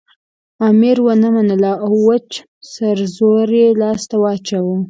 امیر ونه منله او وچ سرزوری ته لاس واچاوه.